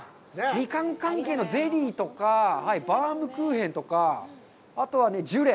ミカン関係のゼリーとか、バウムクーヘンとか、あとはジュレ。